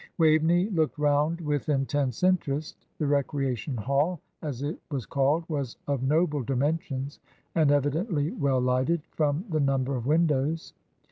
Waveney looked round with intense interest. The Recreation Hall, as it was called, was of noble dimensions, and evidently well lighted, from the number of windows.